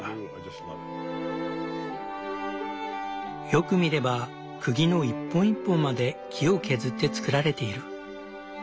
よく見ればくぎの一本一本まで木を削ってつくられている。